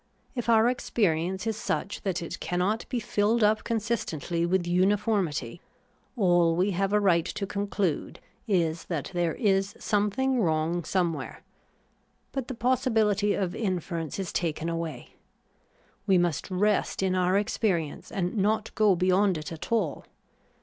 If our experience is such that it cannot be filled up consistently with uniformity, all we have a right to conclude is that there is some thing wrong somewhere ; but the possibility of inference is taken away ; we must rest in our experience, and not go beyond it at all.